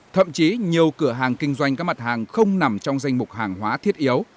thậm chí nhiều cửa hàng kinh doanh các mặt hàng không nằm trong danh mục hàng hóa thiết yếu